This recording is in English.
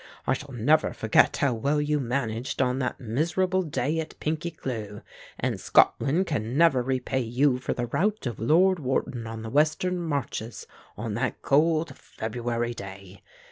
I shall never forget how well you managed on that miserable day at Pinkie Cleugh; and Scotland can never repay you for the rout of Lord Wharton on the Western Marches on that cold February day.